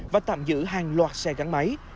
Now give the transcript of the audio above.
và tạm giữ hàng loạt xe gắn máy